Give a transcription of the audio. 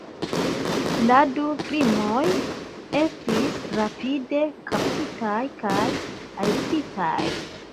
La du krimuloj estis rapide kaptitaj kaj arestitaj.